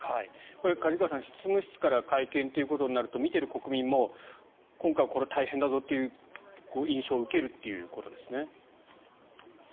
梶川さん、執務室から会見ということになると見ている国民も今回、これは大変だぞという印象を受けるということですね。